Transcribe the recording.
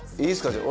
じゃあ。